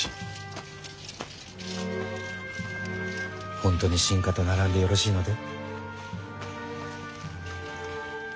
本当に臣下とならんでよろしいので？